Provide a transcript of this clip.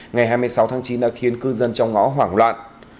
ngày hai mươi sáu tháng chín đã khiến cư dân trong ngõ hoảng loạn